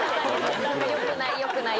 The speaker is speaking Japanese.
よくないよくない。